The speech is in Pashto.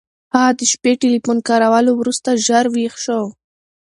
هغه د شپې ټیلیفون کارولو وروسته ژر ویښ شو.